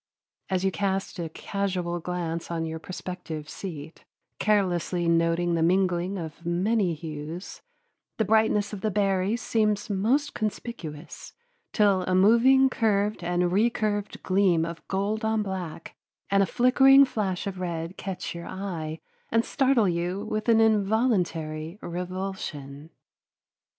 As you cast a casual glance on your prospective seat, carelessly noting the mingling of many hues, the brightness of the berries seems most conspicuous, till a moving curved and recurved gleam of gold on black and a flickering flash of red catch your eye and startle you with an involuntary revulsion.